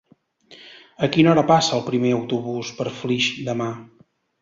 A quina hora passa el primer autobús per Flix demà?